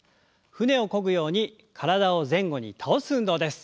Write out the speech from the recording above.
舟をこぐように体を前後に倒す運動です。